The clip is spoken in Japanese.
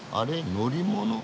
乗り物？